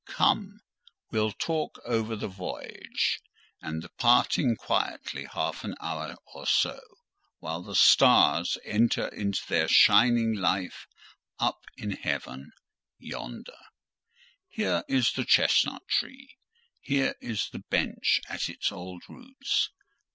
Come! we'll talk over the voyage and the parting quietly half an hour or so, while the stars enter into their shining life up in heaven yonder: here is the chestnut tree: here is the bench at its old roots.